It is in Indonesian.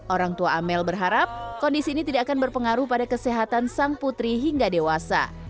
orang tua amel berharap kondisi ini tidak akan berpengaruh pada kesehatan sang putri hingga dewasa